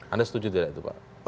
anda setuju tidak itu pak